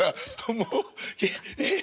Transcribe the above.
もうええ？